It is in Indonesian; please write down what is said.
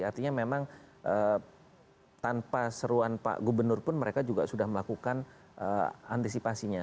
artinya memang tanpa seruan pak gubernur pun mereka juga sudah melakukan antisipasinya